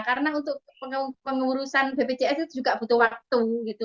karena untuk pengurusan bpjs itu juga butuh waktu